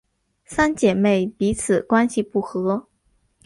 三姐妹彼此关系不和。